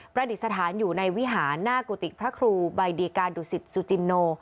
ประดิษฐานอยู่ในวิหารหน้ากุฏิพระครูใบดีกาดุสิตสุจินโน